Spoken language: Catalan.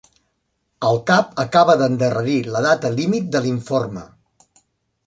El cap acaba d'endarrerir la data límit de l'informe.